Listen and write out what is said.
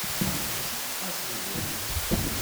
Ẓeṭṭef-as lbuq.